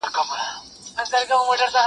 مور هڅه کوي کار ژر خلاص کړي او بې صبري لري.